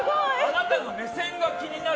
館長の目線が気になる。